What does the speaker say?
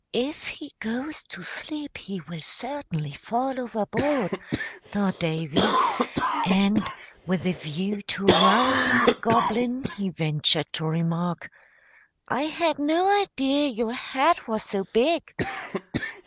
"If he goes to sleep he will certainly fall overboard," thought Davy; and, with a view to rousing the Goblin, he ventured to remark, "I had no idea your hat was so big."